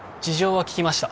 事情は聞きました